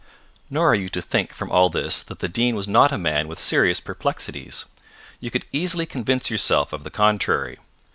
Nor are you to think from all this that the Dean was not a man with serious perplexities. You could easily convince yourself of the contrary.